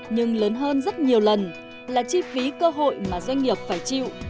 nhưng lớn hơn rất nhiều lần là chi phí cơ hội mà doanh nghiệp phải chịu